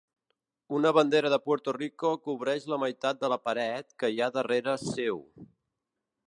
Una bandera de Puerto Rico cobreix la meitat de la paret que hi ha darrera seu.